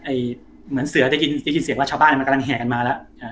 ไอเสือจะยินจะยินเสียงว่าชาวบ้านมันกำลังแห่งกันมาแล้วอ่า